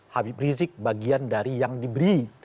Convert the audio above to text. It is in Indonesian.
habib rizik bagian dari yang diberi